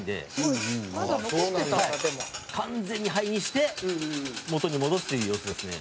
「完全に灰にして元に戻すという様子ですね」